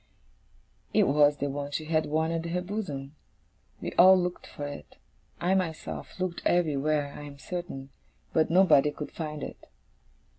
It was the one she had worn at her bosom. We all looked for it; I myself looked everywhere, I am certain but nobody could find it.